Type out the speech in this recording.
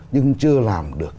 nhưng chưa làm được